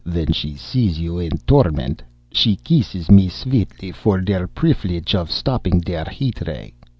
When she sees you in torment, she kisses me sweetly for der prifilege of stopping der heat ray.